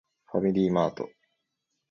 ファミリーマート